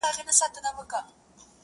زموږ پر تندي به وي تیارې لیکلي-